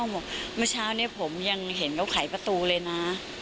บอกเมื่อเช้านี้ผมยังเห็นเขาไขประตูเลยนะ